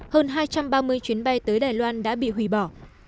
hơn hai trăm ba mươi chuyến bay tới đài loan đã bị hủy bỏ